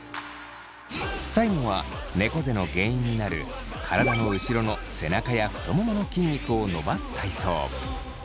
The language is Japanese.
最後はねこ背の原因になる体の後ろの背中や太ももの筋肉を伸ばす体操。